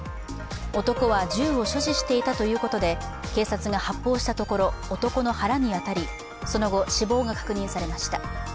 男は銃を所持していたということで警察が発砲したところ男の腹に当たり、その後、死亡が確認されました。